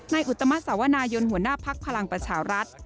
นายอุตมาสวนายนหัวหน้าภักดิ์พลังประชาวรัฐ